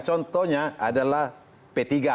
contohnya adalah p tiga